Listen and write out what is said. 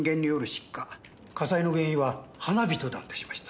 火災の原因は花火と断定しました。